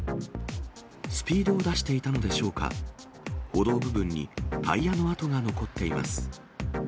スピードを出していたのでしょうか、歩道部分にタイヤの跡が残っています。